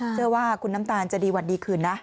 เชื่อว่าคุณน้ำตาลจะดีวันดีคืนนะ